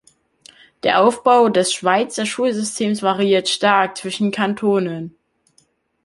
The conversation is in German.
Der Aufbau des Schweizer Schulsystems variiert stark zwischen Kantonen.